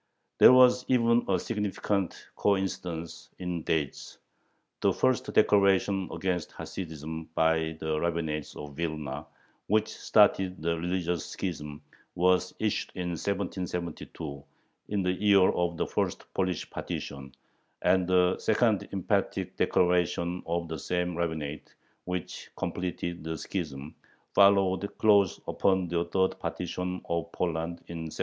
There was even a significant coincidence in dates: the first declaration against Hasidism by the rabbinate of Vilna, which started the religious schism, was issued in 1772, in the year of the first Polish partition, and the second emphatic declaration of the same rabbinate, which completed the schism, followed close upon the third partition of Poland, in 1796.